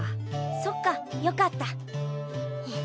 そっかよかった。